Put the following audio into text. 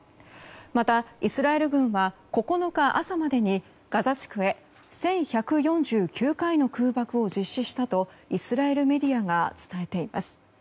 また、イスラエル軍は９日朝までに、ガザ地区へ１１４９回の空爆を実施したとイスラエルメディアが伝えています。